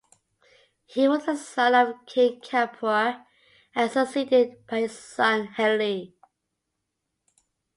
He was the son of King Capoir and succeeded by his son Heli.